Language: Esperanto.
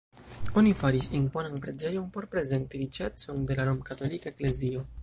Oni faris imponan preĝejon por prezenti riĉecon de la romkatolika eklezio.